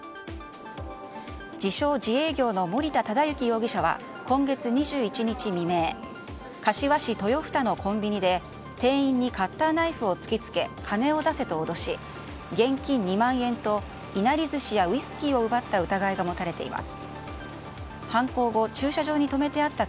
自称自営業の森田忠幸容疑者は今月２１日未明柏市十余二のコンビニで店員にカッターナイフを突き付け金を出せと脅し現金２万円といなり寿司やウイスキーを奪った疑いが持たれています。